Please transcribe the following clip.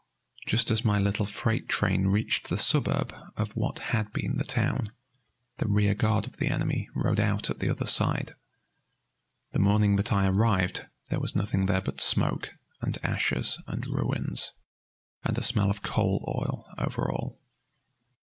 Just as my little freight train reached the suburb of what had been the town, the rear guard of the enemy rode out at the other side. The morning that I arrived there was nothing there but smoke, and ashes, and ruins, and a smell of coal oil over all.